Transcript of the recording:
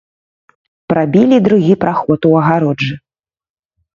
Прабілі другі праход у агароджы.